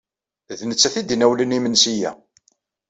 D nettat ay d-inawlen imensi-a.